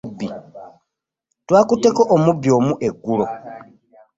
Twakuteko omubbi omu eggulo.